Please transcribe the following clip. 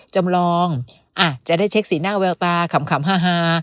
จำลองจะได้เช็คสีหน้าแววตาขำฮา